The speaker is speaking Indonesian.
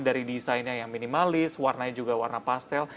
dari desainnya yang minimalis warnanya juga warna pastel